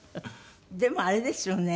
でもあれですよね。